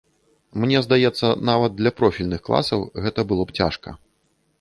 Мне здаецца, нават для профільных класаў гэта было б цяжка.